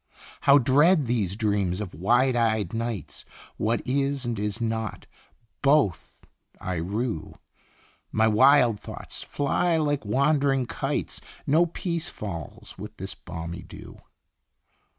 How dread these dreams of wide eyed nights ! What is, and is not, both I rue, My wild thoughts fly like wand'ring kites, No peace falls with this balmy dew.